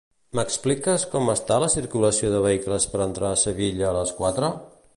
M'expliques com està la circulació de vehicles per entrar a Sevilla a les quatre?